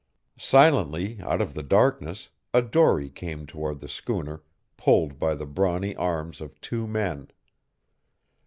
Silently out of the darkness a dory came toward the schooner, pulled by the brawny arms of two men.